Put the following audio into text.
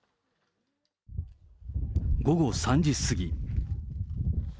午後３時過ぎ。